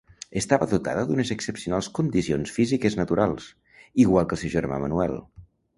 Estava dotada d'unes excepcionals condicions físiques naturals, igual que el seu germà Manuel.